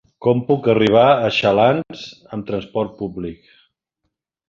Com puc arribar a Xalans amb transport públic?